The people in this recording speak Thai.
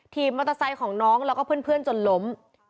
บมอเตอร์ไซค์ของน้องแล้วก็เพื่อนจนล้ม